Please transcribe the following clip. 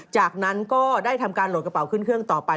จากนั้นก็ได้ทำการโหลดกระเป๋าขึ้นเครื่องต่อไป